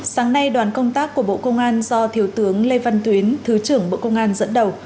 sáng nay đoàn công tác của bộ công an do thiếu tướng lê văn tuyến thứ trưởng bộ công an dẫn đầu